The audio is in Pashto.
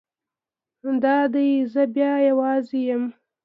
دا دی زه بیا یوازې یم.